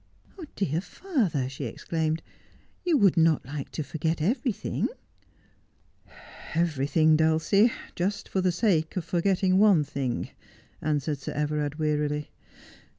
' Dear father,' she exclaimed, ' you would not like to forget everything 1 '' Everything, Dulcie, just for the sake of forgetting one thing,' answered Sir Everard wearily.